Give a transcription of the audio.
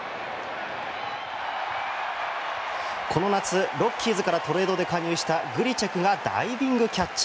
この夏、ロッキーズからトレードで加入したグリチェクがダイビングキャッチ。